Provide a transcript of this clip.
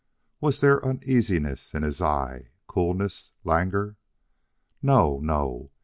Was there uneasiness in his eye coolness languor? No, no.